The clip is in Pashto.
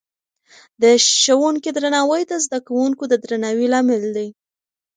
د ښوونکې درناوی د زده کوونکو د درناوي لامل دی.